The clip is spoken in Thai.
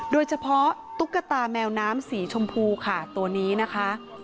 ตุ๊กตาแมวน้ำสีชมพูค่ะตัวนี้นะคะ